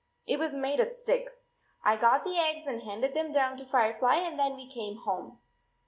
It was made of sticks. I got the eggs and handed them down to Firefly, and then we came home."